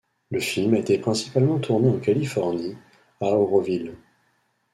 Le film a été principalement tourné en Californie, à Oroville.